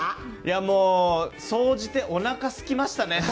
もう総じておなかすきましたね。